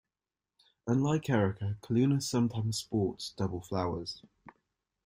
Unlike "Erica", "Calluna" sometimes sports double flowers.